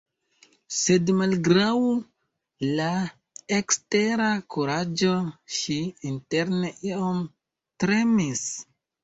Sed malgraŭ la ekstera kuraĝo, ŝi interne iom tremis.